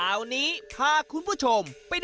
อุ๊ยไม่อยากเหมือนกัน